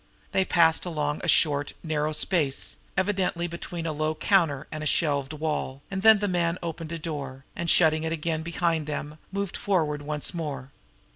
They passed along a short, narrow space, evidently between a low counter and a shelved wall, and then the man opened a door, and, shutting it again behind them, moved forward once more.